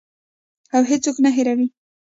او هیڅوک نه هیروي.